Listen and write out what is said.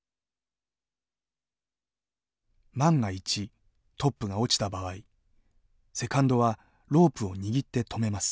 万が一トップが落ちた場合セカンドはロープを握って止めます。